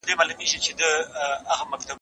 ستونزه هغه ذهنیت دی، چې یوازې خپله ژبه ویني